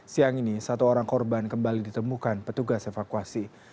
siang ini satu orang korban kembali ditemukan petugas evakuasi